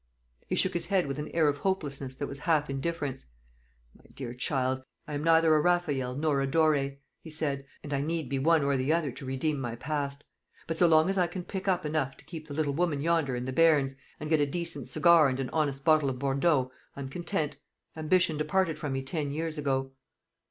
He shook his head with an air of hopelessness that was half indifference. "My dear child, I am neither a Raffaelle nor a Dore," he said, "and I need be one or the other to redeem my past But so long as I can pick up enough to keep the little woman yonder and the bairns, and get a decent cigar and an honest bottle of Bordeaux, I'm content. Ambition departed from me ten years ago."